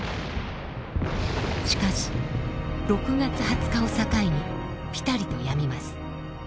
しかし６月２０日を境にぴたりとやみます。